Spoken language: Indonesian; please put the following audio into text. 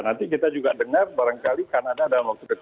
nanti kita juga dengar barangkali kanada dalam waktu dekat